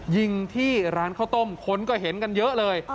ยิงที่ร้านข้าวต้มคนก็เห็นกันเยอะเลย